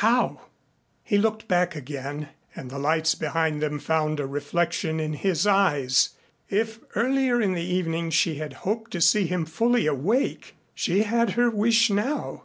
How?" He looked back again and the lights behind them found a reflection in his eyes. If, earlier in the evening she had hoped to see him fully awake, she had her wish now.